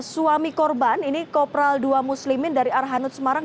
suami korban ini kopral ii muslimin dari arhanud semarang